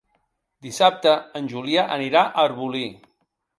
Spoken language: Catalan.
Dissabte en Julià anirà a Arbolí.